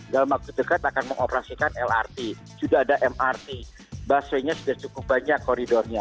dalam waktu dekat akan mengoperasikan lrt sudah ada mrt busway nya sudah cukup banyak koridornya